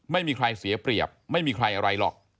ไม่มีใครเสียเปรียบไม่มีใครอะไรหรอก